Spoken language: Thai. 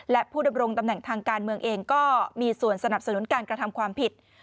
และผู้ดำรงตำแหน่งทางการเมืองเองก็มีส่วนสนับสนุนการกระทำความผิด